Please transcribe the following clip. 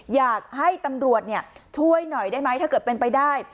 อยากให้ตำรวจช่วยหน่อยได้ไหมถ้าเกิดเป็นไปได้